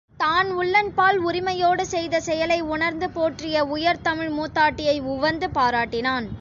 தான் உள்ளன்பால் உரிமையோடு செய்த செயலை உணர்ந்து போற்றிய உயர்தமிழ் மூதாட்டியை உவந்து பாராட்டினான்.